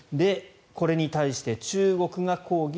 これに対して中国が抗議